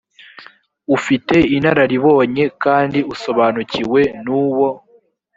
ufite inararibonye kandi usobanukiwe n uwo